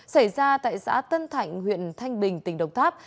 xảy ra tại xã tân thạnh huyện thanh bình tỉnh đồng tháp